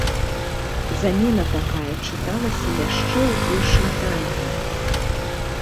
Замена такая чыталася яшчэ ў першым тайме.